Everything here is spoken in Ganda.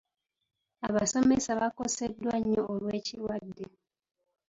Abasomesa bakoseddwa nnyo olw'ekirwadde.